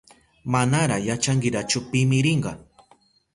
Manara yachanchirachu pimi rinka.